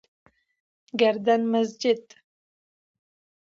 گردن مسجد: